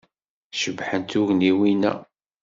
Cebḥent tugniwin-a.